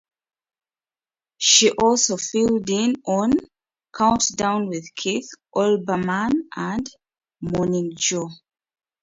She also filled in on "Countdown with Keith Olbermann" and "Morning Joe".